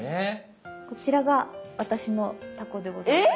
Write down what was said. こちらが私のタコでございます。